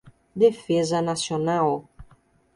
defesa nacional